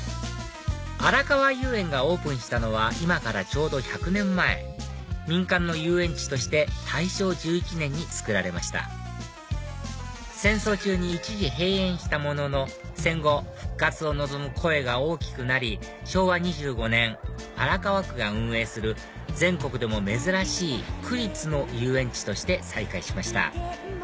あらかわ遊園がオープンしたのは今からちょうど１００年前民間の遊園地として大正１１年に造られました戦争中に一時閉園したものの戦後復活を望む声が大きくなり昭和２５年荒川区が運営する全国でも珍しい区立の遊園地として再開しました